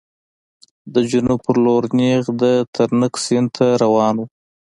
د جنوب په لور نېغ د ترنک سیند ته روان و.